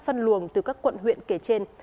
phân luồng từ các quận huyện kể trên